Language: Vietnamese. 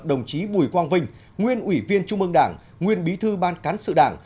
đồng chí bùi quang vinh nguyên ủy viên trung ương đảng nguyên bí thư ban cán sự đảng